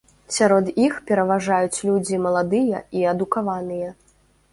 Сярод іх пераважаюць людзі маладыя і адукаваныя.